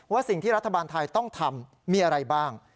สิ่งที่รัฐบาลไทยต้องทำมีอะไรบ้าง